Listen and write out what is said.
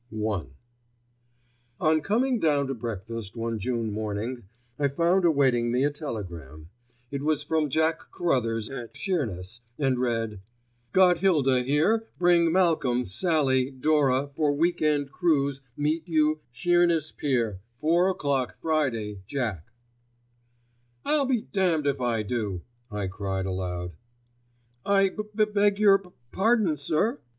*I* On coming down to breakfast one June morning I found awaiting me a telegram. It was from Jack Carruthers at Sheerness, and read:— "got hilda here bring malcolm sallie dora for week end cruise meet you sheerness pier four oclock friday jack" "I'll be damned if I do," I cried aloud. "I b b beg your p p pardon, sir?"